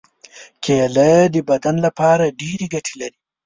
کېله د بدن لپاره ډېرې ګټې لري.